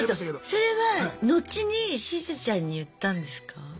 それは後にしずちゃんに言ったんですか？